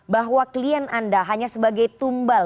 bahwa klien anda hanya sebagai tumbal